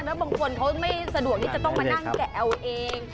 แล้วบางคนเขาไม่สะดวกที่จะต้องมานั่งแกะเอาเอง